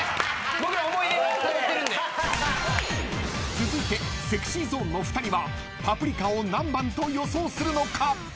［続いてＳｅｘｙＺｏｎｅの２人は『パプリカ』を何番と予想するのか？］